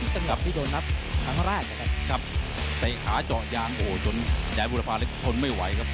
เตะขาเจาะยางโหจนแดงกุราภาแล้วก็ทนไม่ไหวครับ